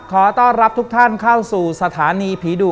ขอต้อนรับทุกท่านเข้าสู่สถานีผีดุ